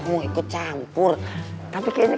mau ikut campur tapi kayaknya